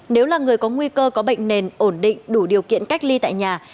nếu là người có nguy cơ có bệnh nền ổn định đủ điều kiện cách ly tại nhà